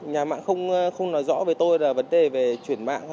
nhà mạng không nói rõ với tôi là vấn đề về chuyển mạng